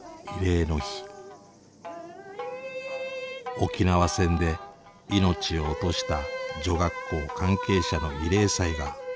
沖縄戦で命を落とした女学校関係者の慰霊祭が行われていました。